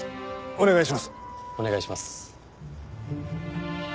お願いします。